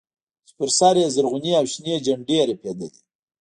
چې پر سر يې زرغونې او شنې جنډې رپېدلې.